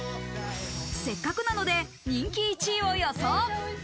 せっかくなので人気１位を予想。